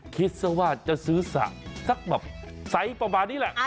คิดซะว่าจะซื้อสระสักแบบไซส์ประมาณนี้แหละ